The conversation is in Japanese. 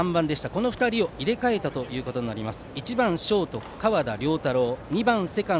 この２人を入れ替えたことになります。